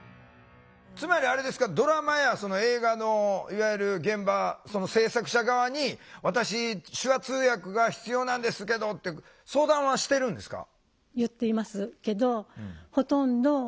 つまりあれですかドラマや映画のいわゆる現場制作者側に私手話通訳が必要なんですけどって相談はしてるんですか？